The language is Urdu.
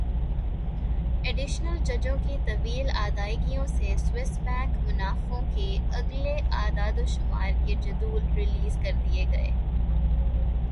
ایڈیشنل ججوں کی طویل ادائیگیوں سے سوئس بینک منافعوں کے اگلے اعدادوشمار کے جدول ریلیز کر دیے گئے